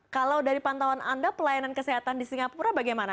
kalau dari pantauan anda pelayanan kesehatan di singapura bagaimana